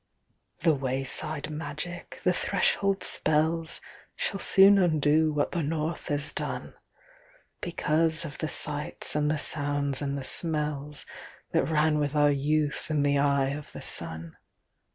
The wayside magic, the threshold spells, Shall soon undo what the North has done—Because of the sights and the sounds and the smellsThat ran with our youth in the eye of the sun.